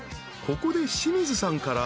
ここで清水さんから］